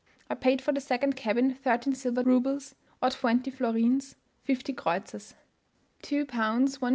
I paid for the second cabin thirteen silver roubles, or twenty florins fifty kreutzers (2 pounds 1s.